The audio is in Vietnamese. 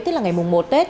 tức là ngày mùng một tết